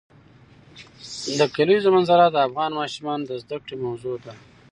د کلیزو منظره د افغان ماشومانو د زده کړې موضوع ده.